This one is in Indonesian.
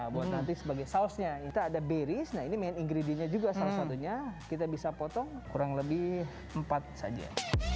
buat nanti sebagai sausnya kita ada baris nah ini main ingredientnya juga salah satunya kita bisa potong kurang lebih empat saja